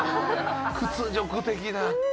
屈辱的な。